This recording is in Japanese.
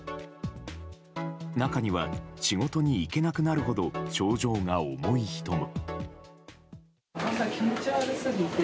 中には仕事に行けなくなるほど症状が重い人も。